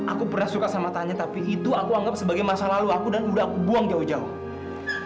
aku pernah suka sama tanya tapi itu aku anggap sebagai masalah lo aku dan udah aku buangnya aku gak mau ngelakuin ini